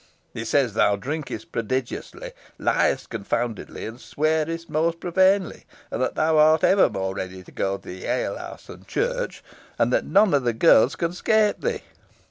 It says thou drinkest prodigiously, liest confoundedly, and swearest most profanely; that thou art ever more ready to go to the alehouse than to church, and that none of the girls can 'scape thee.